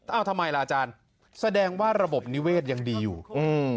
เอาทำไมล่ะอาจารย์แสดงว่าระบบนิเวศยังดีอยู่อืม